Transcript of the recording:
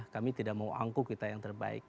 kami tidak mau angkuh kita yang terbaik